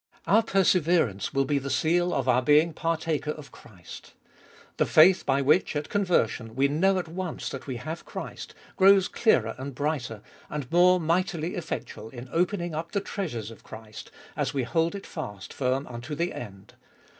Our perseverance will be the seal of our being partaker of Christ. The faith by which, at conversion, we know at once that we have Christ, grows clearer and brighter, and more mightily effectual in opening up the treasures of Christ, as we hold it fast firm unto the end.